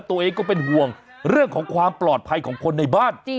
ตัวเองก็เป็นห่วงเรื่องของความปลอดภัยของคนในบ้าน